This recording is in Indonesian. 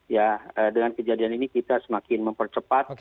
ya dengan kejadian ini kita semakin mempercepat